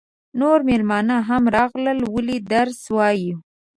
نور مېلمانه هم راغلل ولې درس وایو.